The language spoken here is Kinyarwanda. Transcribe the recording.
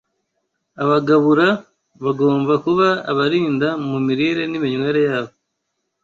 Abagabura bagomba kuba abirinda mu mirire n’iminywere yabo